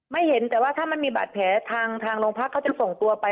เห็นแต่ว่าถ้ามันมีบาดแผลทางโรงพักเขาจะส่งตัวไป